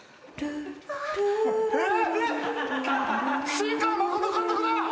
新海誠監督だ！